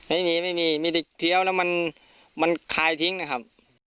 ไม่มีไม่มีมีแต่เคี้ยวแล้วมันคลายทิ้งนะครับ